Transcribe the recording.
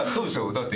だって。